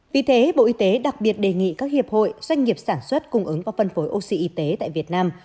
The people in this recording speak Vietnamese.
vì thế bộ y tế đặc biệt đề nghị các hiệp hội doanh nghiệp sản xuất cung ứng và phân phối oxy y tế tại việt nam